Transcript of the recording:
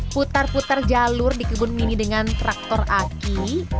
putar putar jalur di kebun mini dengan traktor aki